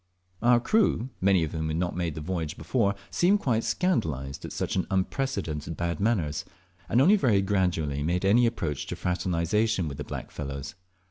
Our crew, many of whom had not made the voyage before, seemed quite scandalized at such unprecedented bad manners, and only very gradually made any approach to fraternization with the black fellows.